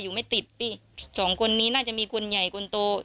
ไม่ติดพี่สองคนนี้น่าจะมีคนใหญ่คนโต